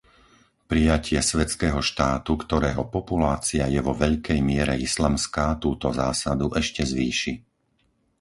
Prijatie svetského štátu, ktorého populácia je vo veľkej miere islamská, túto zásadu ešte zvýši.